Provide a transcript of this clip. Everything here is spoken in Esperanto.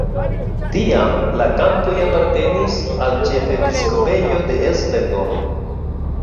Tiam la kampoj apartenis al ĉefepiskopejo de Esztergom.